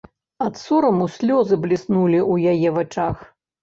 Ад сораму слёзы бліснулі ў яе вачах.